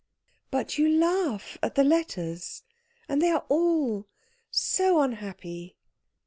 "But you laugh at the letters, and they are all so unhappy."